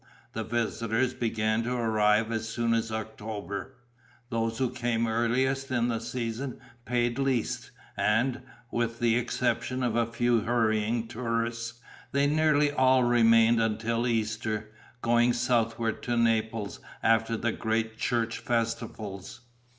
The visitors began to arrive as soon as October: those who came earliest in the season paid least; and, with the exception of a few hurrying tourists, they nearly all remained until Easter, going southward to Naples after the great church festivals.